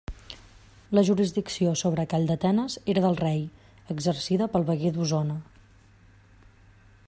La jurisdicció sobre Calldetenes era del rei, exercida pel veguer d'Osona.